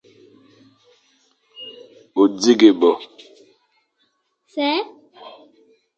O dighé bo.